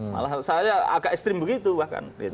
malah saya agak ekstrim begitu bahkan